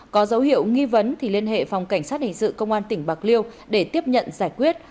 có dấu hiệu nghi vấn thì liên hệ phòng cảnh sát hình sự công an tỉnh bạc liêu để tiếp nhận giải quyết